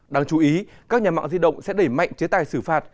đáng chú ý các nhà mạng di động sẽ đẩy mạnh chế tài xử phạt